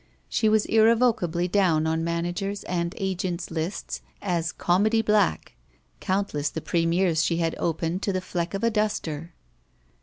She was irrevocably down on managers' and agents* lists as "comedy black.*' Countless the premiers she had opened to the fleck of a duster!